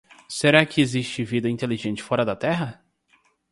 Será que existe vida inteligente fora da Terra?